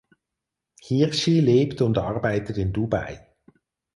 Hirschi lebt und arbeitet in Dubai.